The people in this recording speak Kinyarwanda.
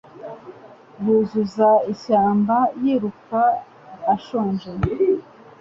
yuzuza ishyamba yiruka ashonje